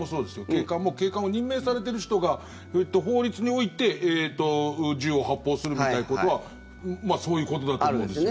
警官も警官を任命されている人が法律において銃を発砲するみたいなことはそういうことだと思うんですよ。